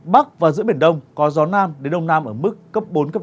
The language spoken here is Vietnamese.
bắc và giữa biển đông có gió nam đến đông nam ở mức cấp bốn cấp năm